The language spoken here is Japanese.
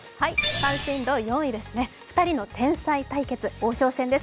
関心度４位、２人の天才対決、王将戦です。